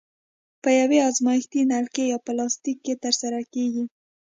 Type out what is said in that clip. په یوې ازمایښتي نلکې یا فلاسک کې ترسره کیږي.